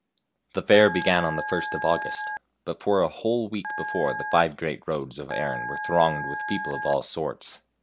The fair began on the 1st of August, but for a whole week before the five great roads of Erin were thronged with people of all sorts.